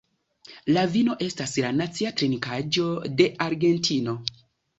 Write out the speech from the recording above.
La vino estas la nacia trinkaĵo de Argentino.